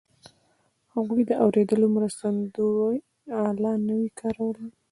هغوی د اورېدو مرستندويي الې نه وې کارولې